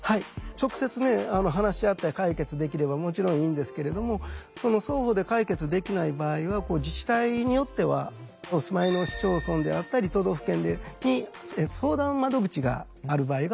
直接ね話し合って解決できればもちろんいいんですけれどもその双方で解決できない場合は自治体によってはお住まいの市町村であったり都道府県に相談窓口がある場合があります。